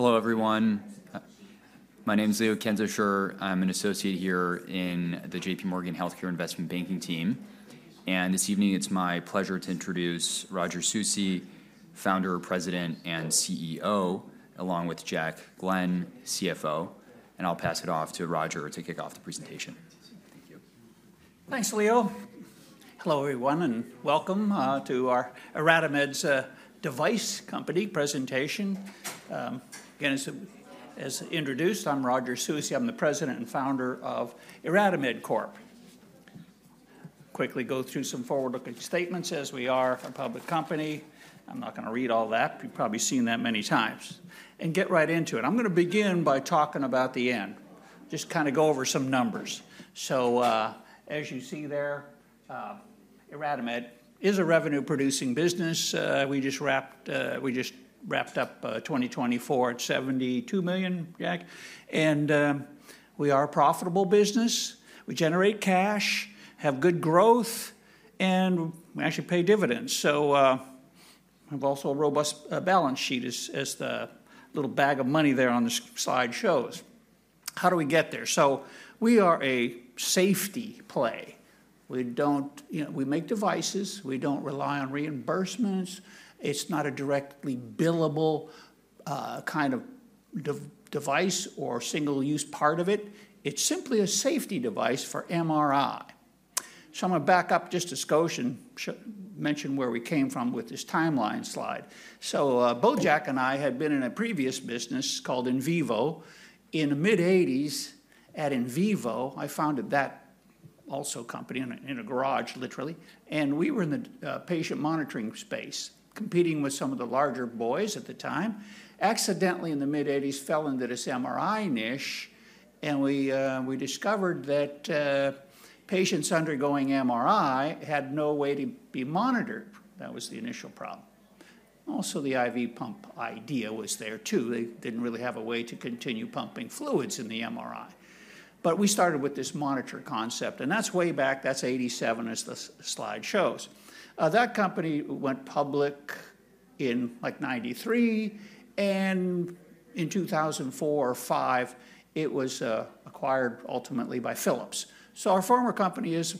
Hello, everyone. My name's Leo Kenzikher. I'm an associate here in the J.P. Morgan Healthcare Investment Banking team. And this evening, it's my pleasure to introduce Roger Susi, Founder, President, and CEO, along with Jack Glenn, CFO. And I'll pass it off to Roger to kick off the presentation. Thank you. Thanks, Leo. Hello, everyone, and welcome to our IRadimed device company presentation. Again, as introduced, I'm Roger Susi. I'm the President and Founder of IRadimed Corp. Quickly go through some forward-looking statements as we are a public company. I'm not going to read all that. You've probably seen that many times. And get right into it. I'm going to begin by talking about the end, just kind of go over some numbers. So as you see there, IRadimed is a revenue-producing business. We just wrapped up 2024 at $72 million, Jack. And we are a profitable business. We generate cash, have good growth, and we actually pay dividends. So we've also a robust balance sheet, as the little bag of money there on the slide shows. How do we get there? So we are a safety play. We make devices. We don't rely on reimbursements. It's not a directly billable kind of device or single-use part of it. It's simply a safety device for MRI, so I'm going to back up just a skosh and mention where we came from with this timeline slide, so both Jack and I had been in a previous business called Invivo in the mid-'80s at Invivo. I founded that also company in a garage, literally, and we were in the patient monitoring space, competing with some of the larger boys at the time. Accidentally, in the mid-'80s, fell into this MRI niche, and we discovered that patients undergoing MRI had no way to be monitored. That was the initial problem. Also, the IV pump idea was there, too. They didn't really have a way to continue pumping fluids in the MRI, but we started with this monitor concept, and that's way back. That's '87, as the slide shows. That company went public in 1993, and in 2004 or 2005, it was acquired ultimately by Philips, so our former company is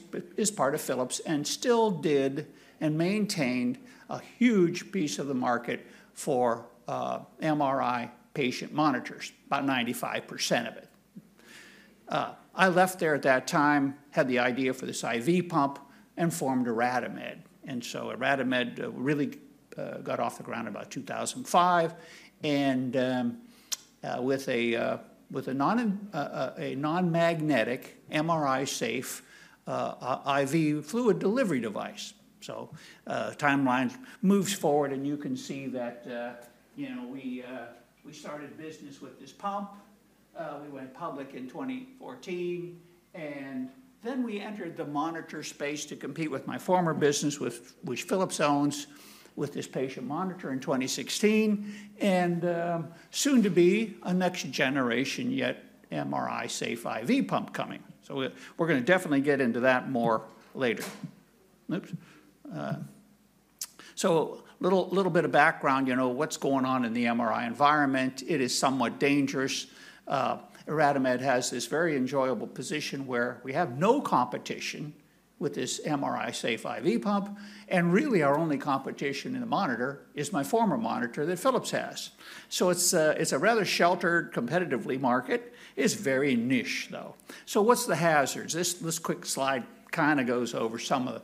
part of Philips and still did and maintained a huge piece of the market for MRI patient monitors, about 95% of it. I left there at that time, had the idea for this IV pump, and formed IRadimed, and so IRadimed really got off the ground about 2005 with a non-magnetic, MRI-safe IV fluid delivery device, so timeline moves forward, and you can see that we started business with this pump. We went public in 2014, and then we entered the monitor space to compete with my former business, which Philips owns, with this patient monitor in 2016, and soon to be a next-generation yet MRI-safe IV pump coming, so we're going to definitely get into that more later. So a little bit of background, you know what's going on in the MRI environment. It is somewhat dangerous. IRadimed has this very enjoyable position where we have no competition with this MRI-safe IV pump. And really, our only competition in the monitor is my former monitor that Philips has. So it's a rather sheltered, competitive market. It's very niche, though. So what's the hazards? This quick slide kind of goes over some of the,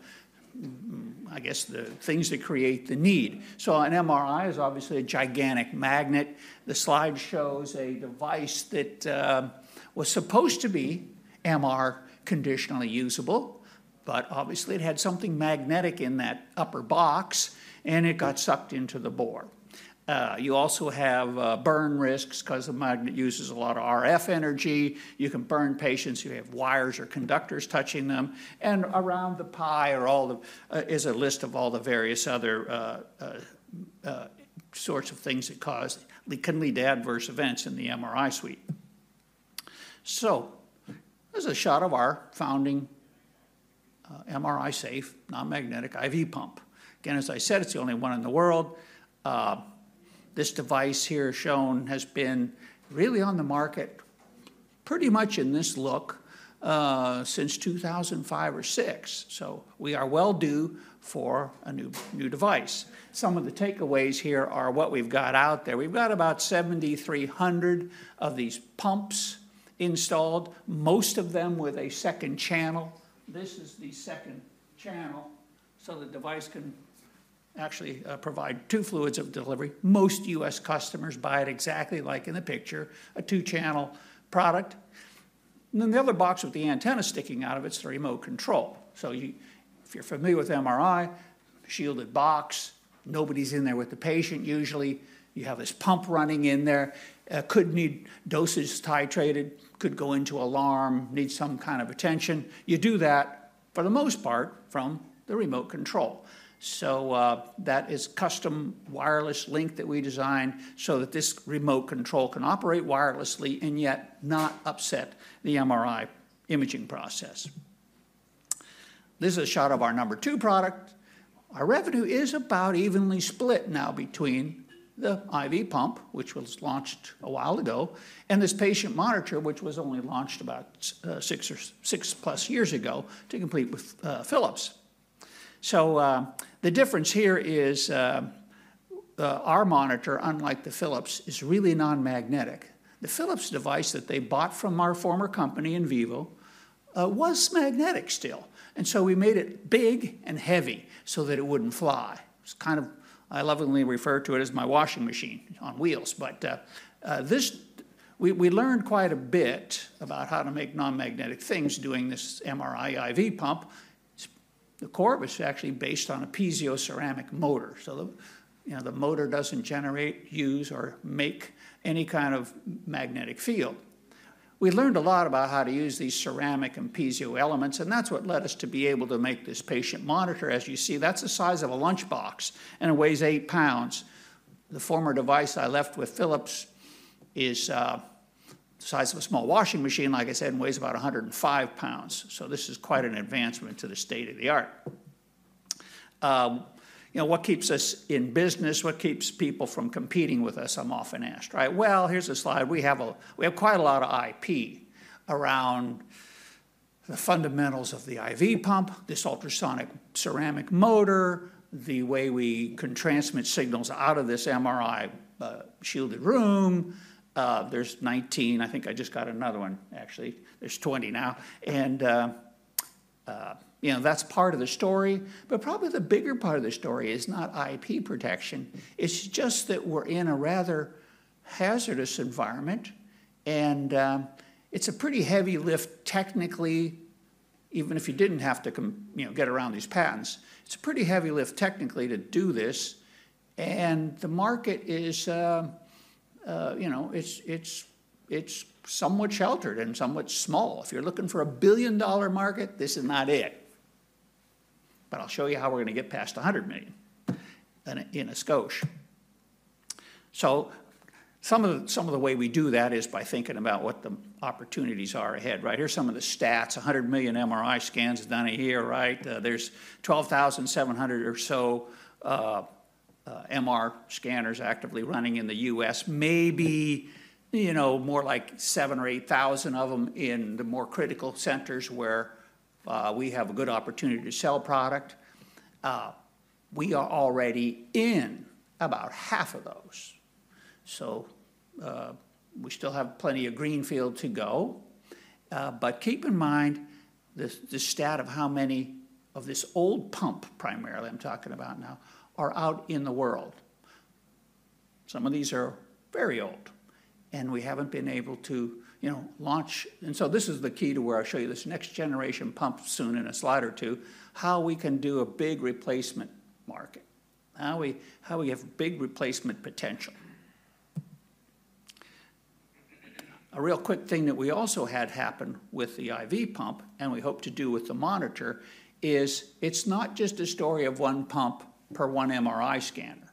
I guess, the things that create the need. So an MRI is obviously a gigantic magnet. The slide shows a device that was supposed to be MR conditionally usable, but obviously, it had something magnetic in that upper box, and it got sucked into the bore. You also have burn risks because the magnet uses a lot of RF energy. You can burn patients who have wires or conductors touching them. And around the pie is a list of all the various other sorts of things that can lead to adverse events in the MRI suite. So this is a shot of our founding MRI-safe non-magnetic IV pump. Again, as I said, it's the only one in the world. This device here shown has been really on the market pretty much in this look since 2005 or 2006. So we are well due for a new device. Some of the takeaways here are what we've got out there. We've got about 7,300 of these pumps installed, most of them with a second channel. This is the second channel so the device can actually provide two fluids of delivery. Most U.S. customers buy it exactly like in the picture, a two-channel product. And then the other box with the antenna sticking out of it, it's the remote control. So if you're familiar with MRI, shielded box, nobody's in there with the patient usually. You have this pump running in there. Could need dosage titrated, could go into alarm, need some kind of attention. You do that, for the most part, from the remote control. So that is custom wireless link that we designed so that this remote control can operate wirelessly and yet not upset the MRI imaging process. This is a shot of our number two product. Our revenue is about evenly split now between the IV pump, which was launched a while ago, and this patient monitor, which was only launched about six plus years ago to compete with Philips. So the difference here is our monitor, unlike the Philips, is really non-magnetic. The Philips device that they bought from our former company, Invivo, was magnetic still. We made it big and heavy so that it wouldn't fly. It's kind of, I lovingly refer to it as my washing machine on wheels. We learned quite a bit about how to make non-magnetic things doing this MRI IV pump. The core was actually based on a piezo ceramic motor. The motor doesn't generate, use, or make any kind of magnetic field. We learned a lot about how to use these ceramic and piezo elements. That's what led us to be able to make this patient monitor. As you see, that's the size of a lunchbox and it weighs eight pounds. The former device I left with Philips is the size of a small washing machine, like I said, and weighs about 105 pounds. This is quite an advancement to the state of the art. What keeps us in business? What keeps people from competing with us? I'm often asked, right? Well, here's a slide. We have quite a lot of IP around the fundamentals of the IV pump, this ultrasonic ceramic motor, the way we can transmit signals out of this MRI shielded room. There's 19. I think I just got another one, actually. There's 20 now. And that's part of the story. But probably the bigger part of the story is not IP protection. It's just that we're in a rather hazardous environment. And it's a pretty heavy lift technically, even if you didn't have to get around these patents. It's a pretty heavy lift technically to do this. And the market is somewhat sheltered and somewhat small. If you're looking for a $1 billion market, this is not it. But I'll show you how we're going to get past $100 million in a skosh. So some of the way we do that is by thinking about what the opportunities are ahead. Right? Here's some of the stats. 100 million MRI scans done a year, right? There's 12,700 or so MR scanners actively running in the U.S., maybe more like 7,000 or 8,000 of them in the more critical centers where we have a good opportunity to sell product. We are already in about half of those, so we still have plenty of greenfield to go, but keep in mind the stat of how many of this old pump, primarily, I'm talking about now, are out in the world. Some of these are very old and we haven't been able to launch. And so this is the key to where I'll show you this next-generation pump soon in a slide or two, how we can do a big replacement market, how we have big replacement potential. A real quick thing that we also had happen with the IV pump, and we hope to do with the monitor, is it's not just a story of one pump per one MRI scanner.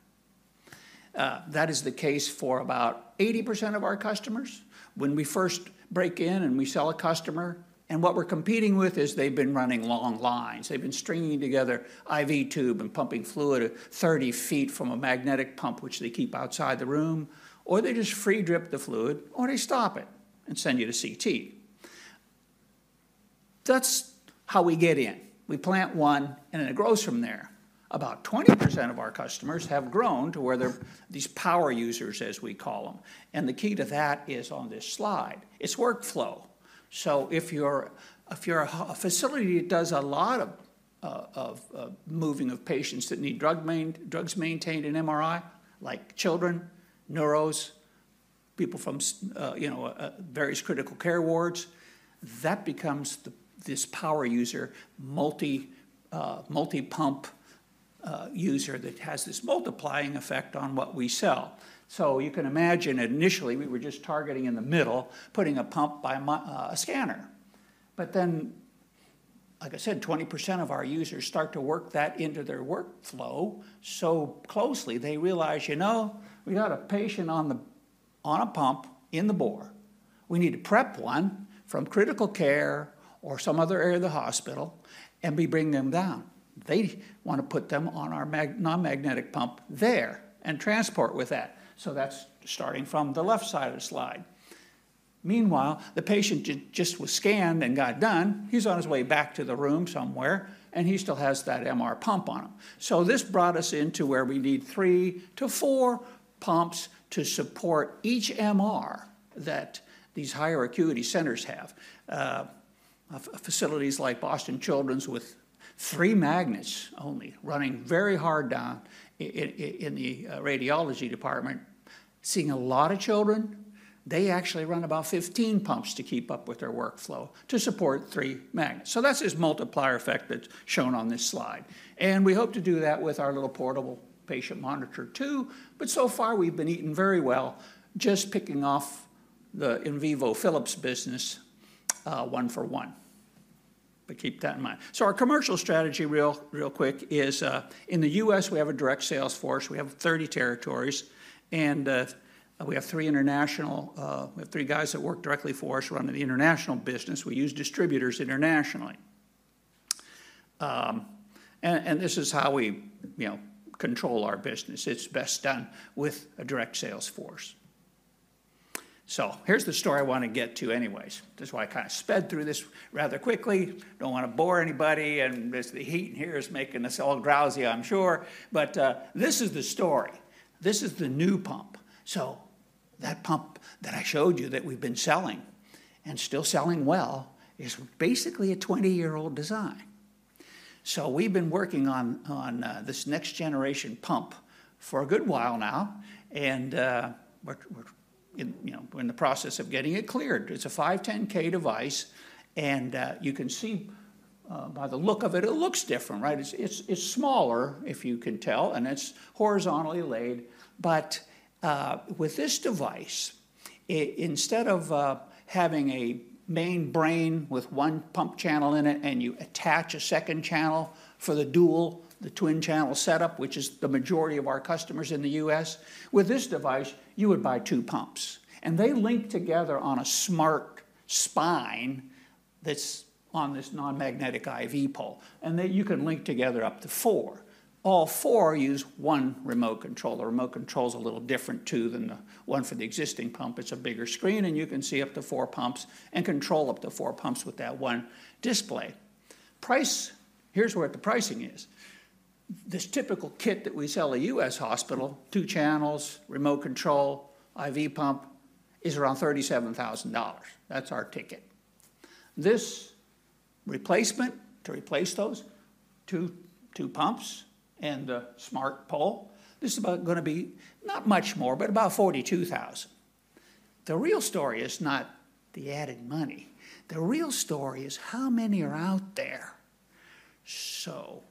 That is the case for about 80% of our customers when we first break in and we sell a customer. And what we're competing with is they've been running long lines. They've been stringing together IV tube and pumping fluid 30 feet from a magnetic pump, which they keep outside the room. Or they just free drip the fluid, or they stop it and send you to CT. That's how we get in. We plant one, and it grows from there. About 20% of our customers have grown to where they're these power users, as we call them. And the key to that is on this slide. It's workflow. So if you're a facility that does a lot of moving of patients that need drugs maintained in MRI, like children, neuros, people from various critical care wards, that becomes this power user, multi-pump user that has this multiplying effect on what we sell. So you can imagine initially we were just targeting in the middle, putting a pump by a scanner. But then, like I said, 20% of our users start to work that into their workflow so closely, they realize, you know, we got a patient on a pump in the ward. We need to prep one from critical care or some other area of the hospital and be bringing them down. They want to put them on our non-magnetic pump there and transport with that. So that's starting from the left side of the slide. Meanwhile, the patient just was scanned and got done. He's on his way back to the room somewhere, and he still has that MR pump on him. So this brought us into where we need three to four pumps to support each MR that these higher acuity centers have. Facilities like Boston Children's with three magnets only running very hard down in the radiology department, seeing a lot of children, they actually run about 15 pumps to keep up with their workflow to support three magnets. So that's this multiplier effect that's shown on this slide. And we hope to do that with our little portable patient monitor, too. But so far, we've been eating very well, just picking off the Invivo Philips business one for one, but keep that in mind, so our commercial strategy, real quick, is in the U.S., we have a direct sales force. We have 30 territories and we have three international. We have three guys that work directly for us running the international business. We use distributors internationally and this is how we control our business. It's best done with a direct sales force, so here's the story I want to get to anyways. This is why I kind of sped through this rather quickly. Don't want to bore anybody and the heat in here is making us all drowsy, I'm sure, but this is the story. This is the new pump, so that pump that I showed you that we've been selling and still selling well is basically a 20-year-old design. So we've been working on this next-generation pump for a good while now. And we're in the process of getting it cleared. It's a 510(k) device. And you can see by the look of it, it looks different, right? It's smaller, if you can tell. And it's horizontally laid. But with this device, instead of having a main brain with one pump channel in it and you attach a second channel for the dual, the twin channel setup, which is the majority of our customers in the U.S., with this device, you would buy two pumps. And they link together on a smart spine that's on this non-magnetic IV pole. And you can link together up to four. All four use one remote control. The remote control is a little different, too, than the one for the existing pump. It's a bigger screen. And you can see up to four pumps and control up to four pumps with that one display. Price, here's where the pricing is. This typical kit that we sell at a U.S. hospital, two channels, remote control, IV pump, is around $37,000. That's our ticket. This replacement to replace those two pumps and the smart pole, this is about going to be not much more, but about $42,000. The real story is not the added money. The real story is how many are out there. So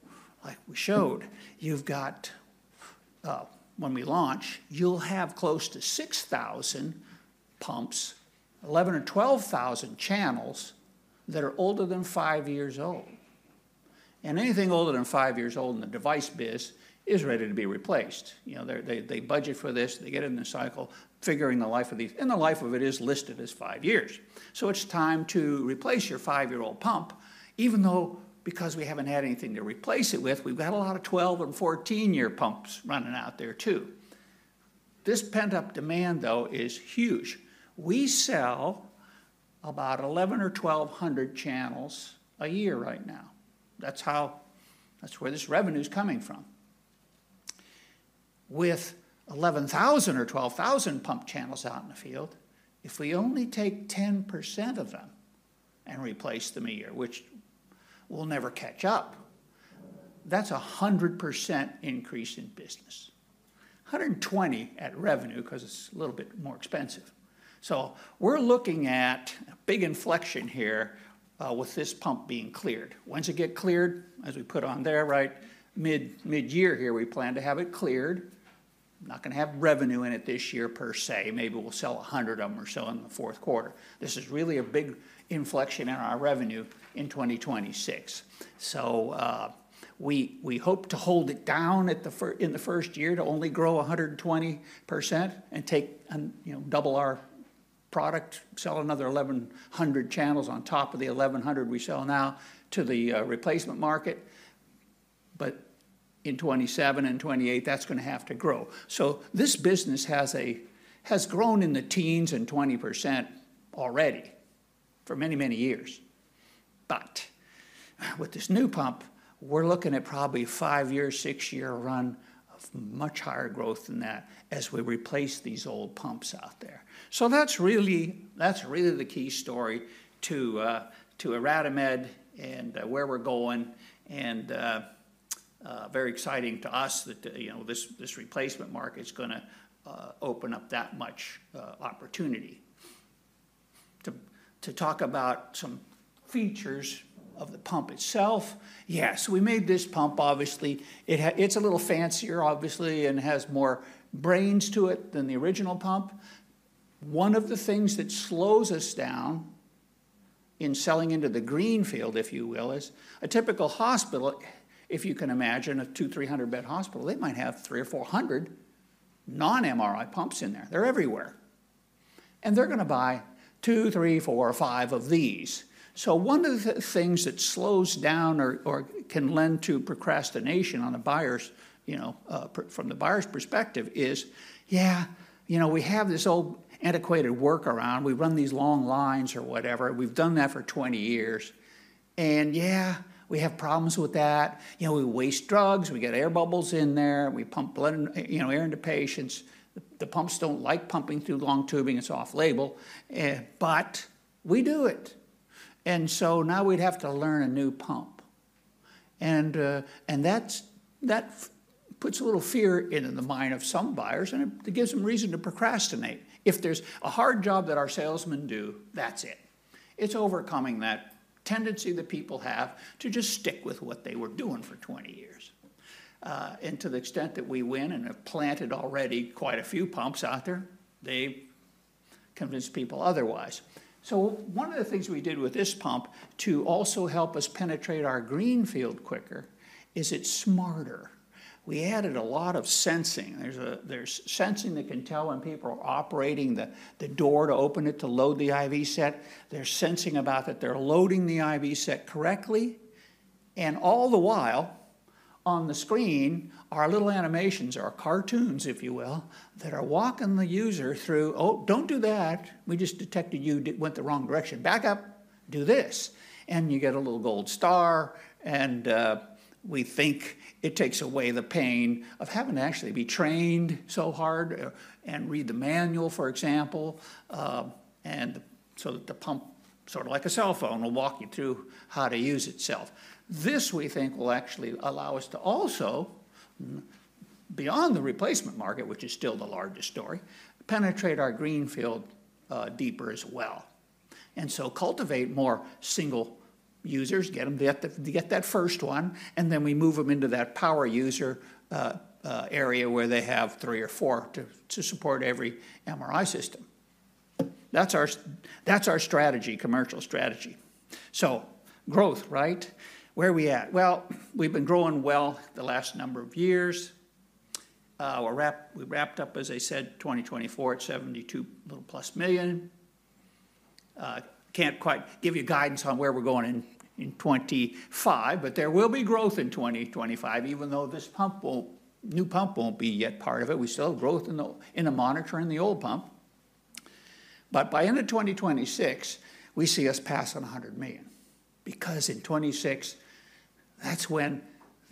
like we showed, you've got when we launch, you'll have close to 6,000 pumps, 11,000 or 12,000 channels that are older than five years old. And anything older than five years old in the device biz is ready to be replaced. They budget for this. They get in the cycle figuring the life of these. The life of it is listed as five years. It's time to replace your five-year-old pump, even though because we haven't had anything to replace it with, we've got a lot of 12- and 14-year pumps running out there, too. This pent-up demand, though, is huge. We sell about 1,100 or 1,200 channels a year right now. That's where this revenue is coming from. With 11,000 or 12,000 pump channels out in the field, if we only take 10% of them and replace them a year, which we'll never catch up, that's a 100% increase in business, 120% in revenue because it's a little bit more expensive. We're looking at a big inflection here with this pump being cleared. Once it gets cleared, as we put on there, right, mid-year here, we plan to have it cleared. Not going to have revenue in it this year per se. Maybe we'll sell 100 of them or so in the fourth quarter. This is really a big inflection in our revenue in 2026. So we hope to hold it down in the first year to only grow 120% and double our product, sell another 1,100 channels on top of the 1,100 we sell now to the replacement market. But in 2027 and 2028, that's going to have to grow. So this business has grown in the teens and 20% already for many, many years. But with this new pump, we're looking at probably a five-year, six-year run of much higher growth than that as we replace these old pumps out there. So that's really the key story to IRadimed and where we're going. Very exciting to us that this replacement market is going to open up that much opportunity. To talk about some features of the pump itself, yes. We made this pump, obviously. It's a little fancier, obviously, and has more brains to it than the original pump. One of the things that slows us down in selling into the greenfield, if you will, is a typical hospital, if you can imagine, a 200-300-bed hospital. They might have 300 or 400 non-MRI pumps in there. They're everywhere. They're going to buy two, three, four, five of these. So one of the things that slows down or can lend to procrastination from the buyer's perspective is, yeah, we have this old antiquated workaround. We run these long lines or whatever. We've done that for 20 years. Yeah, we have problems with that. We waste drugs. We get air bubbles in there. We pump air into patients. The pumps don't like pumping through long tubing. It's off-label, but we do it, and so now we'd have to learn a new pump, and that puts a little fear in the mind of some buyers, and it gives them reason to procrastinate. If there's a hard job that our salesmen do, that's it. It's overcoming that tendency that people have to just stick with what they were doing for 20 years, and to the extent that we win and have planted already quite a few pumps out there, they convince people otherwise, so one of the things we did with this pump to also help us penetrate our greenfield quicker is it's smarter. We added a lot of sensing. There's sensing that can tell when people are operating the door to open it to load the IV set. They're sensing that they're loading the IV set correctly, and all the while on the screen are little animations, or cartoons, if you will, that are walking the user through, "Oh, don't do that. We just detected you went the wrong direction. Back up. Do this." And you get a little gold star, and we think it takes away the pain of having to actually be trained so hard and read the manual, for example, so that the pump, sort of like a cell phone, will walk you through how to use itself. This, we think, will actually allow us to also, beyond the replacement market, which is still the largest story, penetrate our greenfield deeper as well, and so cultivate more single users, get them to get that first one. And then we move them into that power user area where they have three or four to support every MRI system. That's our strategy, commercial strategy. So growth, right? Where are we at? Well, we've been growing well the last number of years. We wrapped up, as I said, 2024 at $72 million a little plus. Can't quite give you guidance on where we're going in 2025. But there will be growth in 2025, even though this new pump won't be yet part of it. We still have growth in the monitor and the old pump. But by the end of 2026, we see us pass on $100 million. Because in 2026, that's when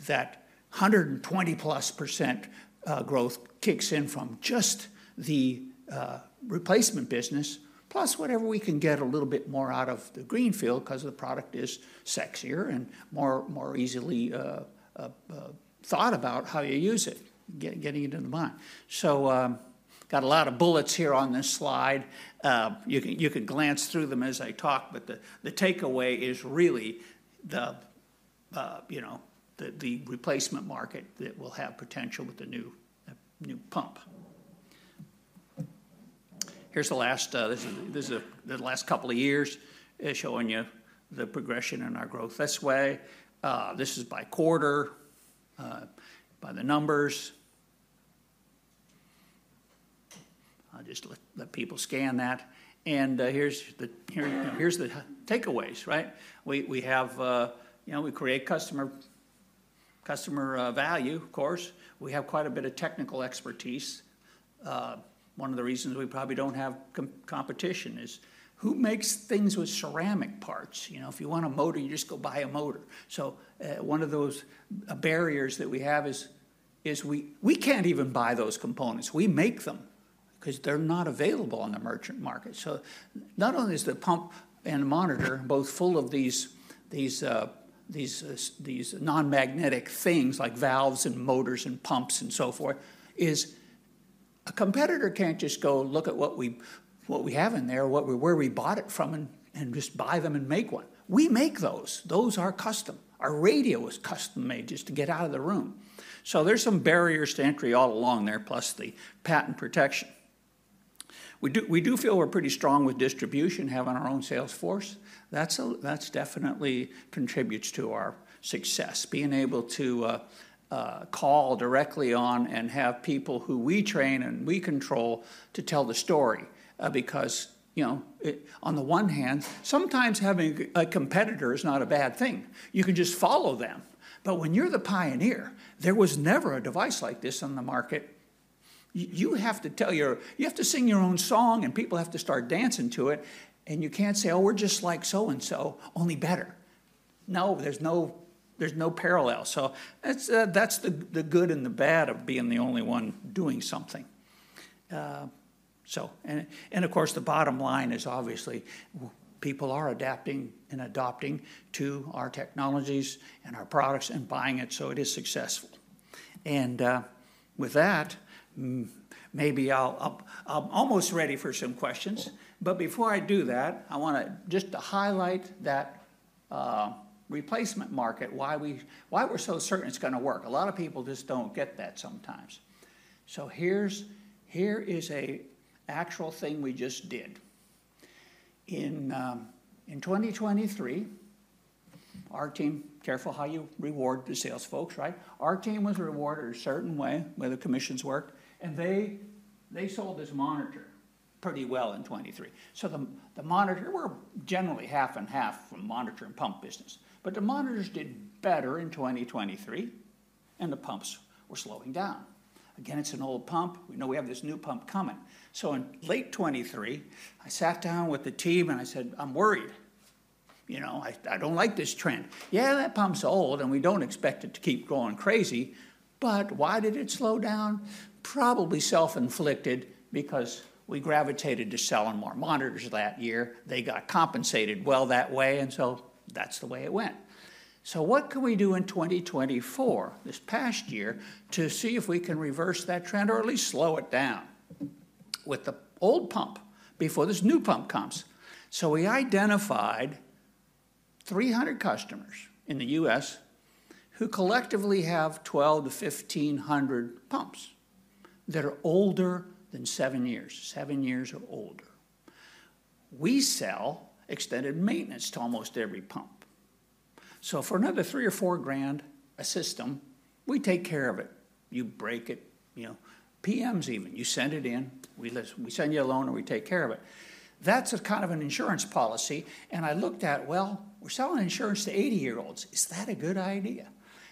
that 120-plus% growth kicks in from just the replacement business, plus whatever we can get a little bit more out of the greenfield because the product is sexier and more easily thought about how you use it, getting it in the mind. So got a lot of bullets here on this slide. You can glance through them as I talk. But the takeaway is really the replacement market that will have potential with the new pump. Here's the last couple of years showing you the progression in our growth this way. This is by quarter, by the numbers. I'll just let people scan that. And here's the takeaways, right? We create customer value, of course. We have quite a bit of technical expertise. One of the reasons we probably don't have competition is who makes things with ceramic parts? If you want a motor, you just go buy a motor, so one of those barriers that we have is we can't even buy those components. We make them because they're not available on the merchant market, so not only is the pump and monitor both full of these non-magnetic things like valves and motors and pumps and so forth, but a competitor can't just go look at what we have in there, where we bought it from, and just buy them and make one. We make those. Those are custom. Our radio is custom-made just to get out of the room, so there's some barriers to entry all along there, plus the patent protection. We do feel we're pretty strong with distribution, having our own sales force. That definitely contributes to our success, being able to call directly on and have people who we train and we control to tell the story. Because on the one hand, sometimes having a competitor is not a bad thing. You can just follow them. But when you're the pioneer, there was never a device like this on the market. You have to sing your own song, and people have to start dancing to it. And you can't say, "Oh, we're just like so-and-so, only better." No, there's no parallel. So that's the good and the bad of being the only one doing something. And of course, the bottom line is obviously people are adapting and adopting to our technologies and our products and buying it so it is successful. And with that, maybe I'm almost ready for some questions. But before I do that, I want to just highlight that replacement market, why we're so certain it's going to work. A lot of people just don't get that sometimes. So here is an actual thing we just did. In 2023, our team, careful how you reward the sales folks, right? Our team was rewarded a certain way when the commissions worked. And they sold this monitor pretty well in 2023. So the monitor, we're generally half and half from monitor and pump business. But the monitors did better in 2023, and the pumps were slowing down. Again, it's an old pump. We know we have this new pump coming. So in late 2023, I sat down with the team and I said, "I'm worried. I don't like this trend." Yeah, that pump's old, and we don't expect it to keep going crazy. But why did it slow down? Probably self-inflicted because we gravitated to selling more monitors that year. They got compensated well that way. And so that's the way it went. So what can we do in 2024, this past year, to see if we can reverse that trend or at least slow it down with the old pump before this new pump comes? So we identified 300 customers in the U.S. who collectively have 1,200 to 1,500 pumps that are older than seven years, seven years or older. We sell extended maintenance to almost every pump. So for another $3,000-$4,000 a system, we take care of it. You break it, PMs even. You send it in. We send you a loaner, and we take care of it. That's kind of an insurance policy. And I looked at, well, we're selling insurance to 80-year-olds. Is that a good idea?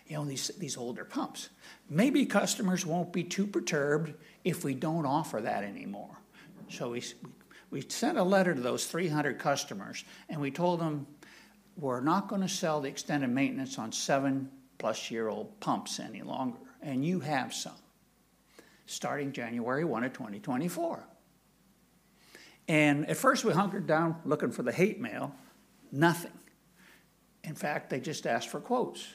These older pumps. Maybe customers won't be too perturbed if we don't offer that anymore. So we sent a letter to those 300 customers, and we told them, "We're not going to sell the extended maintenance on seven-plus-year-old pumps any longer. And you have some starting January 1 of 2024." And at first, we hunkered down looking for the hate mail. Nothing. In fact, they just asked for quotes.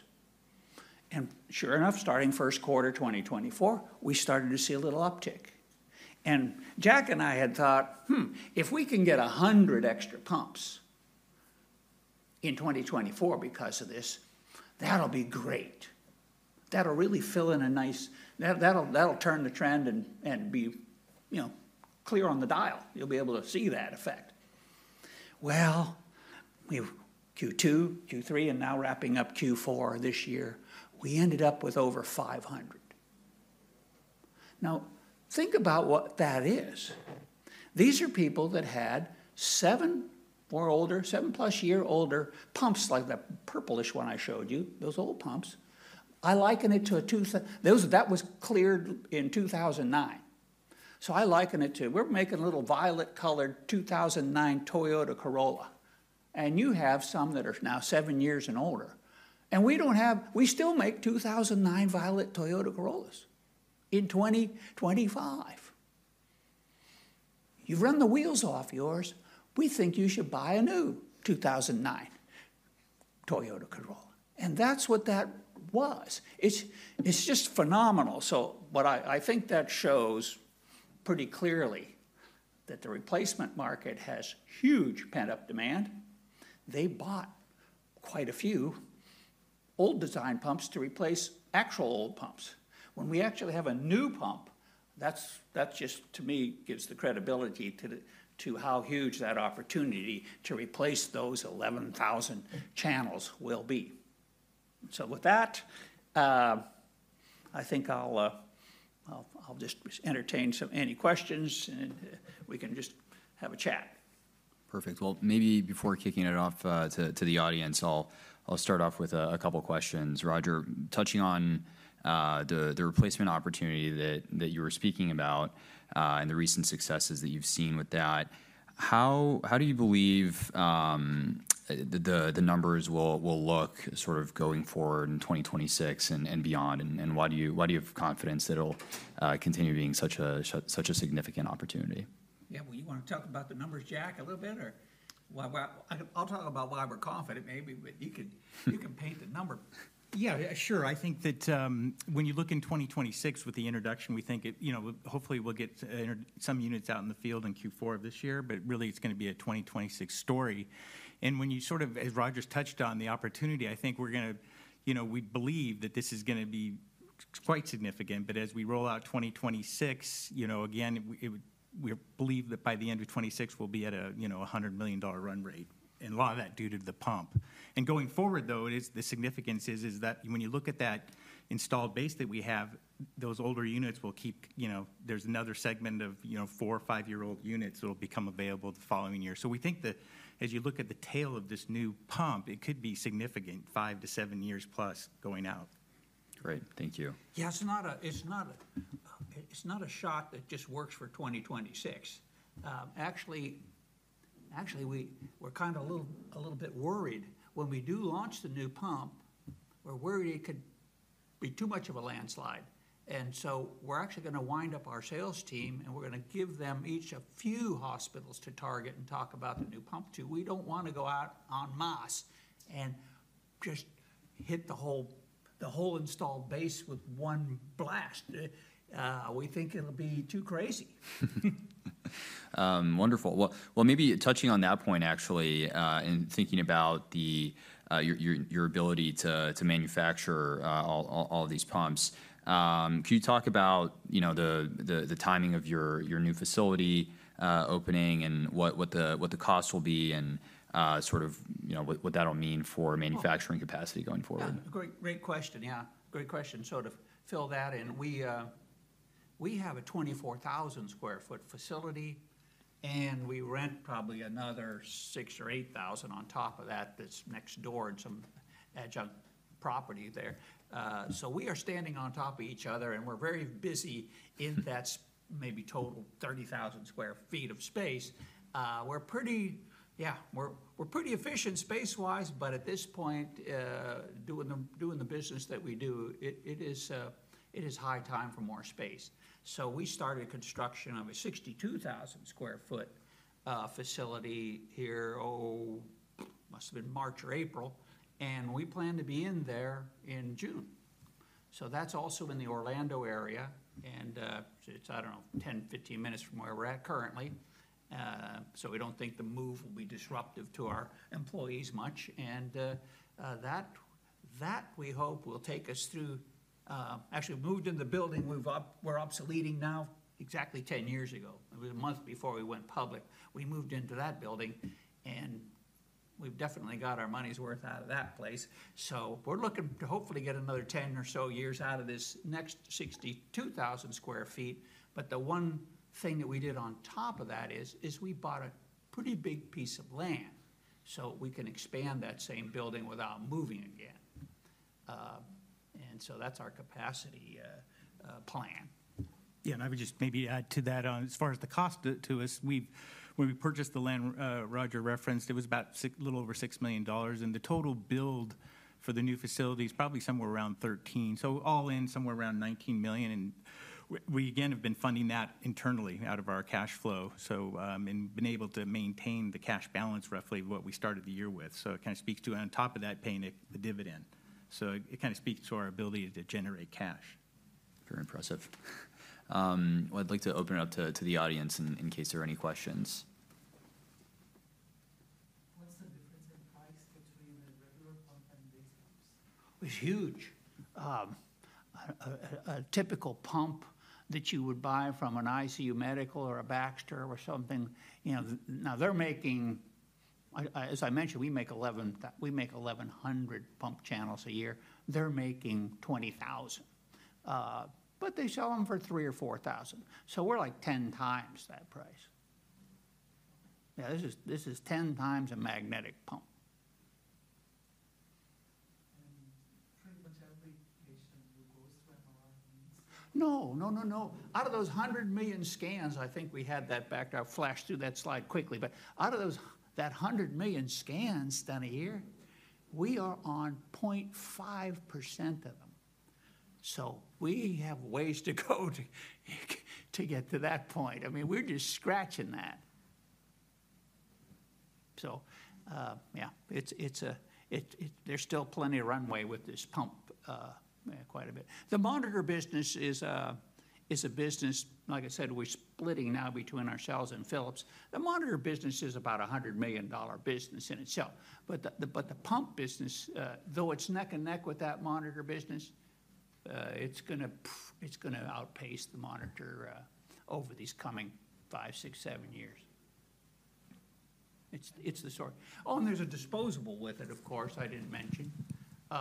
And sure enough, starting first quarter 2024, we started to see a little uptick. And Jack and I had thought, "If we can get 100 extra pumps in 2024 because of this, that'll be great. That'll really fill in a nice, that'll turn the trend and be clear on the dial. You'll be able to see that effect." Well, Q2, Q3, and now wrapping up Q4 this year, we ended up with over 500. Now, think about what that is. These are people that had seven or older, seven-plus-year-older pumps like the purplish one I showed you, those old pumps. I liken it to a - that was cleared in 2009. So I liken it to we're making a little violet-colored 2009 Toyota Corolla. And you have some that are now seven years and older. And we still make 2009 violet Toyota Corollas in 2025. You've run the wheels off yours. We think you should buy a new 2009 Toyota Corolla. And that's what that was. It's just phenomenal. So I think that shows pretty clearly that the replacement market has huge pent-up demand. They bought quite a few old design pumps to replace actual old pumps. When we actually have a new pump, that just, to me, gives the credibility to how huge that opportunity to replace those 11,000 channels will be. So with that, I think I'll just entertain any questions, and we can just have a chat. Perfect. Well, maybe before kicking it off to the audience, I'll start off with a couple of questions. Roger, touching on the replacement opportunity that you were speaking about and the recent successes that you've seen with that, how do you believe the numbers will look sort of going forward in 2026 and beyond? And why do you have confidence that it'll continue being such a significant opportunity? Yeah. Well, you want to talk about the numbers, Jack, a little bit? I'll talk about why we're confident, maybe. But you can paint the number. Yeah, sure. I think that when you look in 2026 with the introduction, we think hopefully we'll get some units out in the field in Q4 of this year. But really, it's going to be a 2026 story. And when you sort of, as Roger's touched on, the opportunity, I think we're going to—we believe that this is going to be quite significant. But as we roll out 2026, again, we believe that by the end of 2026, we'll be at a $100 million run rate. And a lot of that due to the pump. And going forward, though, the significance is that when you look at that installed base that we have, those older units will keep—there's another segment of four or five-year-old units that will become available the following year. We think that as you look at the tail of this new pump, it could be significant, five to seven years plus going out. Great. Thank you. Yeah, it's not a shock that just works for 2026. Actually, we're kind of a little bit worried. When we do launch the new pump, we're worried it could be too much of a landslide. And so we're actually going to wind up our sales team, and we're going to give them each a few hospitals to target and talk about the new pump too. We don't want to go out en masse and just hit the whole installed base with one blast. We think it'll be too crazy. Wonderful. Well, maybe touching on that point, actually, and thinking about your ability to manufacture all of these pumps, can you talk about the timing of your new facility opening and what the cost will be and sort of what that'll mean for manufacturing capacity going forward? Great question. Yeah, great question. Sort of fill that in. We have a 24,000-sq ft facility, and we rent probably another 6,000 or 8,000 on top of that that's next door and some adjunct property there. So we are standing on top of each other, and we're very busy in that maybe total 30,000-sq ft of space. Yeah, we're pretty efficient space-wise, but at this point, doing the business that we do, it is high time for more space. So we started construction of a 62,000-sq ft facility here, oh, must have been March or April. And we plan to be in there in June. So that's also in the Orlando area. And it's, I don't know, 10-15 minutes from where we're at currently. So we don't think the move will be disruptive to our employees much. And that, we hope, will take us through actually. We moved in the building. We're obsoleting now, exactly 10 years ago. It was a month before we went public. We moved into that building, and we've definitely got our money's worth out of that place, so we're looking to hopefully get another 10 or so years out of this next 62,000 sq ft. But the one thing that we did on top of that is we bought a pretty big piece of land so we can expand that same building without moving again, and so that's our capacity plan. Yeah. And I would just maybe add to that. As far as the cost to us, when we purchased the land, Roger referenced, it was about a little over $6 million. And the total build for the new facility is probably somewhere around $13 million. So all in, somewhere around $19 million. And we, again, have been funding that internally out of our cash flow and been able to maintain the cash balance roughly of what we started the year with. So it kind of speaks to, on top of that, paying the dividend. So it kind of speaks to our ability to generate cash. Very impressive. I'd like to open it up to the audience in case there are any questions. What's the difference in price between the regular pump and base pumps? It's huge. A typical pump that you would buy from an ICU Medical or a Baxter or something. Now, they're making, as I mentioned, we make 1,100 pump channels a year. They're making 20,000. But they sell them for $3,000 or $4,000, so we're like 10 times that price. Yeah, this is 10 times a non-magnetic pump. Treatments every patient who goes to MRI needs? No, no, no, no. Out of those 100 million scans, I think we had that backed up. I'll flash through that slide quickly. But out of that 100 million scans done a year, we are on 0.5% of them. So we have ways to go to get to that point. I mean, we're just scratching that. So yeah, there's still plenty of runway with this pump, quite a bit. The monitor business is a business, like I said, we're splitting now between ourselves and Philips. The monitor business is about a $100 million business in itself. But the pump business, though it's neck and neck with that monitor business, it's going to outpace the monitor over these coming five, six, seven years. It's the story. Oh, and there's a disposable with it, of course, I didn't mention.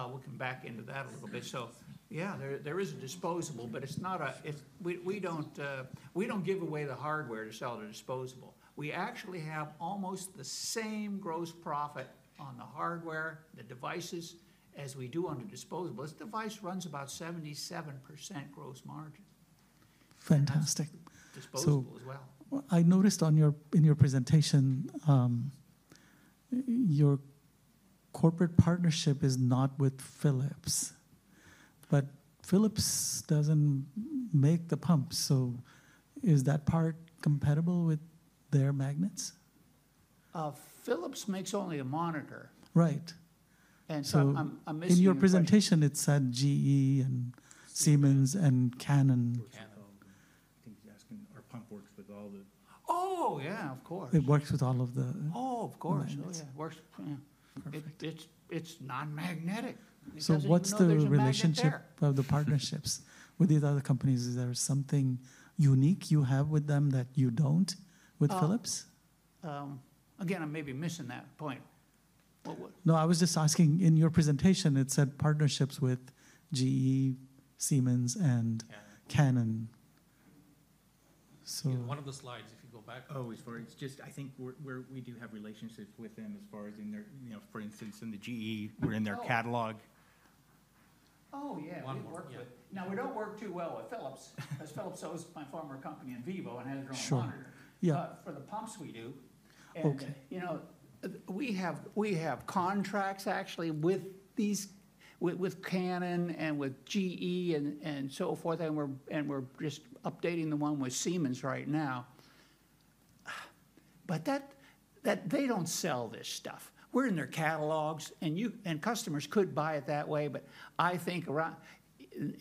We'll come back into that a little bit. So yeah, there is a disposable, but it's not. We don't give away the hardware to sell the disposable. We actually have almost the same gross profit on the hardware, the devices, as we do on the disposable. This device runs about 77% gross margin. Fantastic. Disposable as well. So I noticed in your presentation, your corporate partnership is not with Philips. But Philips doesn't make the pumps. So is that part compatible with their magnets? Philips makes only a monitor. Right. And so I'm missing that. In your presentation, it said GE and Siemens and Canon. I think he's asking, our pump works with all the. Oh, yeah, of course. It works with all of the... Oh, of course. It works. It's non-magnetic. So what's the relationship of the partnerships with these other companies? Is there something unique you have with them that you don't with Philips? Again, I'm maybe missing that point. No, I was just asking. In your presentation, it said partnerships with GE, Siemens, and Canon. In one of the slides, if you go back. Oh, it's just, I think we do have relationships with them as far as, for instance, in the GE, we're in their catalog. Oh, yeah. Now, we don't work too well with Philips. Philips owns my former company Invivo and has their own monitor. But for the pumps, we do. And we have contracts, actually, with Canon and with GE and so forth. And we're just updating the one with Siemens right now. But they don't sell this stuff. We're in their catalogs. And customers could buy it that way. But I think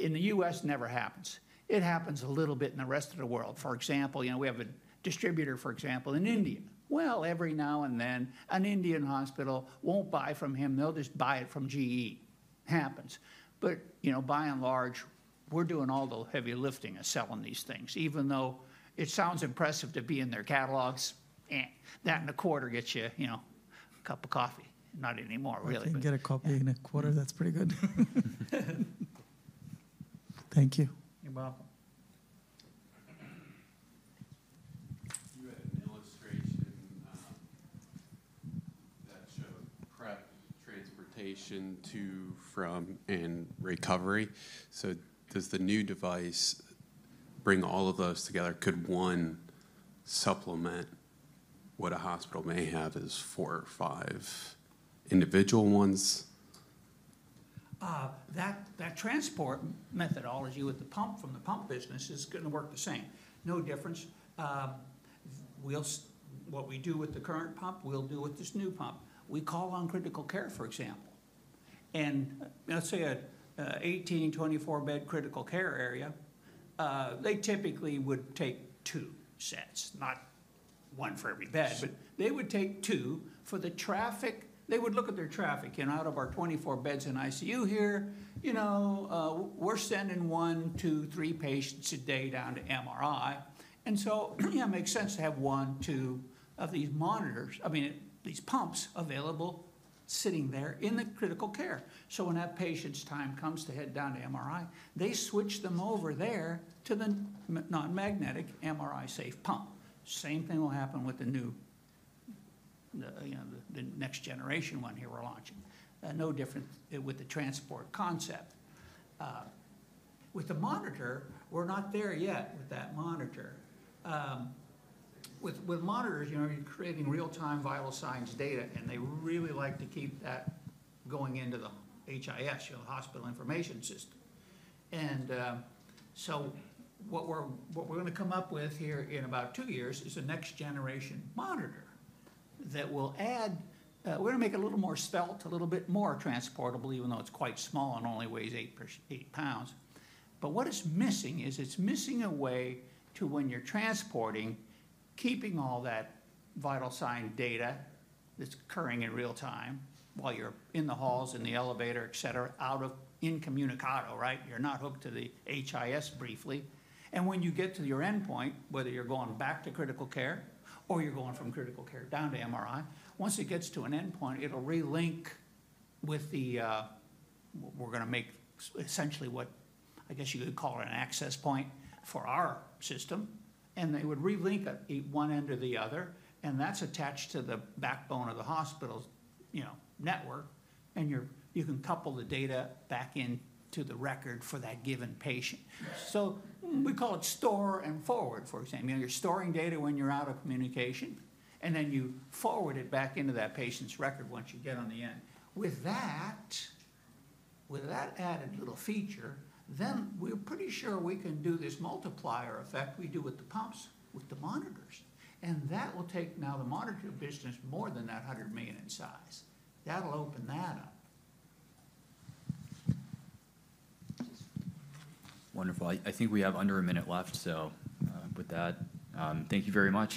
in the U.S., it never happens. It happens a little bit in the rest of the world. For example, we have a distributor, for example, in India. Well, every now and then, an Indian hospital won't buy from him. They'll just buy it from GE. Happens. But by and large, we're doing all the heavy lifting of selling these things. Even though it sounds impressive to be in their catalogs, that and a quarter gets you a cup of coffee. Not anymore, really. You can get a coffee in a quarter. That's pretty good. Thank you. You're welcome. You had an illustration that showed prep, transportation, to, from, and recovery. So does the new device bring all of those together? Could one supplement what a hospital may have as four or five individual ones? That transport methodology with the pump from the pump business is going to work the same. No difference. What we do with the current pump, we'll do with this new pump. We call on critical care, for example. And let's say an 18-24-bed critical care area, they typically would take two sets, not one for every bed. But they would take two for the traffic. They would look at their traffic. And out of our 24 beds in ICU here, we're sending one, two, three patients a day down to MRI. And so it makes sense to have one, two of these monitors, I mean, these pumps available sitting there in the critical care. So when that patient's time comes to head down to MRI, they switch them over there to the non-magnetic MRI-safe pump. Same thing will happen with the new, the next generation one here we're launching. No different with the transport concept. With the monitor, we're not there yet with that monitor. With monitors, you're creating real-time vital signs data. And they really like to keep that going into the HIS, the Hospital Information System. And so what we're going to come up with here in about two years is a next-generation monitor that will add, we're going to make it a little more svelte, a little bit more transportable, even though it's quite small and only weighs eight pounds. But what it's missing is it's missing a way to, when you're transporting, keeping all that vital sign data that's occurring in real time while you're in the halls, in the elevator, etc., incommunicado, right? You're not hooked to the HIS briefly. And when you get to your endpoint, whether you're going back to critical care or you're going from critical care down to MRI, once it gets to an endpoint, it'll relink with the, we're going to make essentially what I guess you could call an access point for our system. And they would relink one end to the other. And that's attached to the backbone of the hospital's network. And you can couple the data back into the record for that given patient. So we call it store and forward, for example. You're storing data when you're out of communication, and then you forward it back into that patient's record once you get on the end. With that added little feature, then we're pretty sure we can do this multiplier effect we do with the pumps with the monitors. And that will take now the monitor business more than that $100 million in size. That'll open that up. Wonderful. I think we have under a minute left. So with that, thank you very much.